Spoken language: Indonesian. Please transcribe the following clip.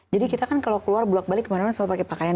kita kan kalau keluar bulak balik kemana mana selalu pakai pakaian